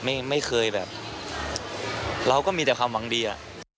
ไม่เคยแบบเราก็มีแต่ความหวังดีอะ